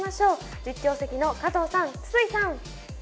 実況席の加藤さん、筒井さん！